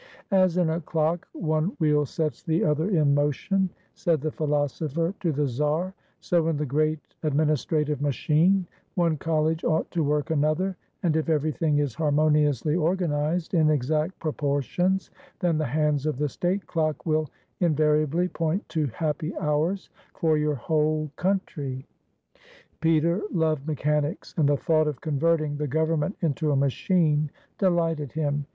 "As in a clock, one wheel sets the other in motion," said the philosopher to the czar, "so in the great admin istrative machine one college ought to work another, and if everything is harmoniously organized in exact proportions, then the hands of the state clock will inva riably point to happy hours for your whole country." 87 RUSSIA Peter loved mechanics, and the thought of converting the government into a machine delighted him.